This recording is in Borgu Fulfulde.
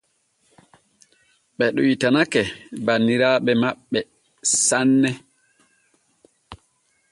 Ɓe ɗoytanake banniraaɓe maɓɓe sanne.